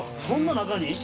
そんな中に？